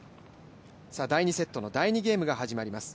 第２セットの第２ゲームが始まります。